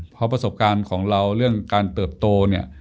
เพราะประสบการณ์ของเราเรื่องการเติบโตเนี่ย